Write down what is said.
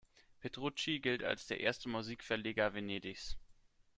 Petrucci gilt als der erste Musikverleger Venedigs.